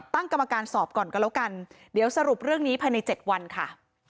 ตั้งกรรมการสอบก่อนก็แล้วกันเดี๋ยวสรุปเรื่องนี้ภายใน๗วันค่ะ